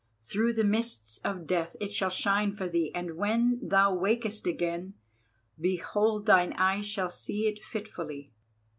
Through the mists of death it shall shine for thee, and when thou wakest again, behold, thine eyes shall see it fitfully.